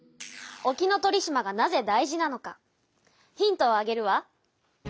沖ノ鳥島がなぜ大事なのかヒントをあげるわ。